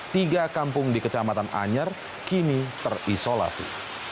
tiga kampung di kecamatan anyer kini terisolasi